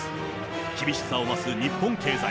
厳しさを増す日本経済。